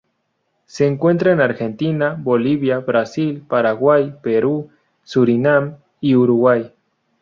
Se encuentra en Argentina, Bolivia, Brasil, Paraguay, Perú, Surinam, y Uruguay.